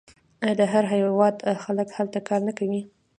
آیا د هر هیواد خلک هلته کار نه کوي؟